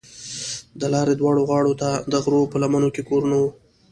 د لارې دواړو غاړو ته د غرونو په لمنو کې کورونه وو.